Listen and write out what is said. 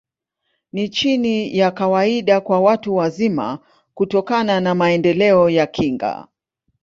Ni chini ya kawaida kwa watu wazima, kutokana na maendeleo ya kinga.